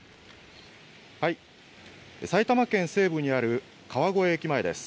埼玉県西部にある川越駅前です。